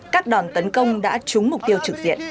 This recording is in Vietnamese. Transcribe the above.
các đòn tấn công đã trúng mục tiêu trực diện